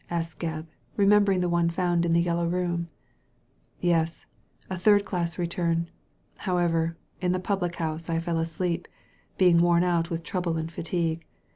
asked Gebb, re membering the one found in the Yellow Room. Yes; a third class return. However, in the public house I fell asleep, being worn out with trouble and fatigue.